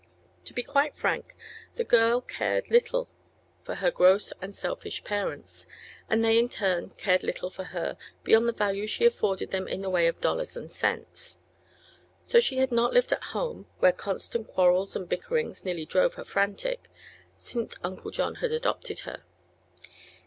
To be quite frank, the girl cared little for her gross and selfish parents, and they in turn cared little for her beyond the value she afforded them in the way of dollars and cents. So she had not lived at home, where constant quarrels and bickerings nearly drove her frantic, since Uncle John had adopted her.